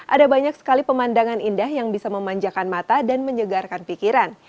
ada banyak sekali pemandangan indah yang bisa memanjakan mata dan menyegarkan pikiran